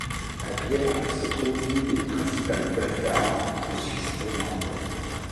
À Bière se trouve une des principales places d'arme de Suisse romande.